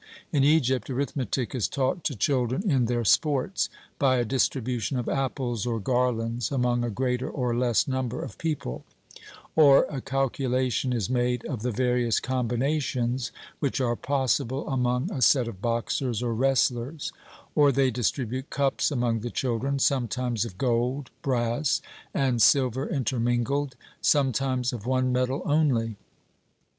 In Egypt, arithmetic is taught to children in their sports by a distribution of apples or garlands among a greater or less number of people; or a calculation is made of the various combinations which are possible among a set of boxers or wrestlers; or they distribute cups among the children, sometimes of gold, brass, and silver intermingled, sometimes of one metal only.